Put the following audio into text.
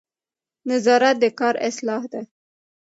نظارت د کار اصلاح ده